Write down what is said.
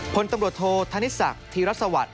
พลตำรวจโทธานิสสักธีรัศวัตร